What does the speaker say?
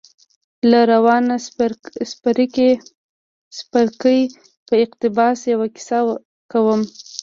له روان څپرکي په اقتباس يوه کيسه کوم.